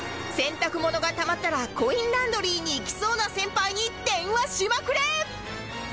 洗濯物がたまったらコインランドリーに行きそうな先輩に電話しまくれ！